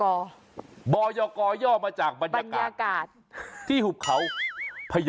ภรรพ์บอยกอเยาะมาจากบรรยากาศ